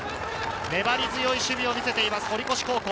粘り強い守備を見せています。